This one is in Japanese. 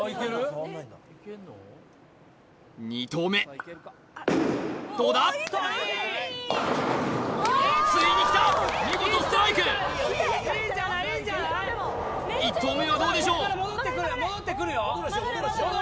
２投目どうだついにきた見事ストライクいって１投目はどうでしょう